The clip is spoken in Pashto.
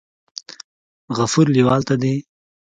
غفور لیوال ته دې